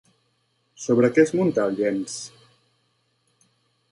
Sobre què es munta el llenç?